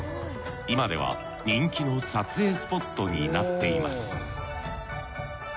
今では人気の撮影スポットになっています